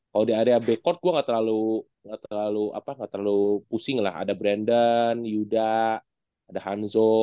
kalau di area backcourt gua nggak terlalu nggak terlalu apa nggak terlalu pusing lah ada brandon yuda ada hanzo